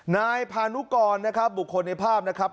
นายพานุกรนะครับบุคคลในภาพนะครับ